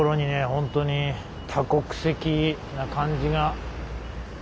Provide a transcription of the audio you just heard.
ホントに多国籍な感じが。